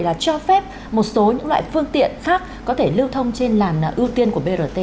là cho phép một số những loại phương tiện khác có thể lưu thông trên làn ưu tiên của brt